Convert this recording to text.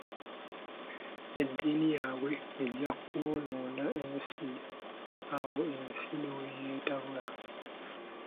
Eddiini yaabwe ejja kwonoona nsi, awo ensi ne yeetabula.